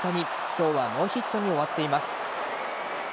今日はノーヒットに終わっています。